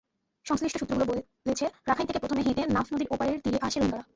সংশ্লিষ্ট সূত্রগুলো বলেছে, রাখাইন থেকে প্রথমে হেঁটে নাফ নদীর ওপারের তীরে আসে রোহিঙ্গারা।